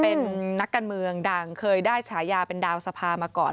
เป็นนักการเมืองดังเคยได้ฉายาเป็นดาวสภามาก่อน